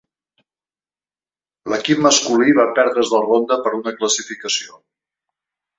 L'equip masculí va perdre's la ronda per una classificació.